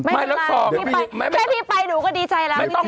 แค่พี่ไปหนูก็ดีใจแล้ว